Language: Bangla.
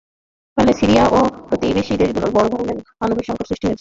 ফলে সিরিয়া ও প্রতিবেশী দেশগুলোতে বড় ধরনের মানবিক সংকট সৃষ্টি হয়েছে।